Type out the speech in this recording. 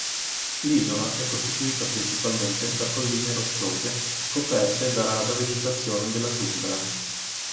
L'isola è costituita principalmente da colline rocciose coperte, da rada vegetazione della tundra.